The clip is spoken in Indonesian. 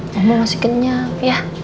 mama masih kenyang ya